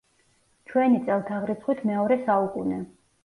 ჩვენი წელთაღრიცხვით მეორე საუკუნე.